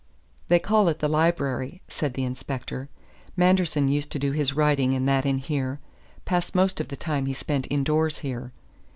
"They call it the library," said the inspector. "Manderson used to do his writing and that in here; passed most of the time he spent indoors here.